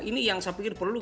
ini yang saya pikir perlu